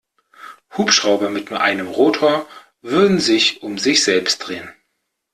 Hubschrauber mit nur einem Rotor würden sich um sich selbst drehen.